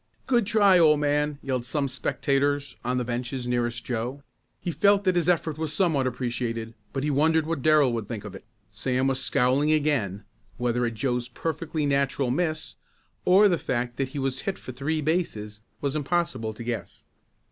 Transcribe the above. "Good try old man!" yelled some spectators on the benches nearest Joe. He felt that his effort was somewhat appreciated but he wondered what Darrell would think of it. Sam was scowling again, whether at Joe's perfectly natural miss, or the fact that he was hit for three bases was impossible to guess.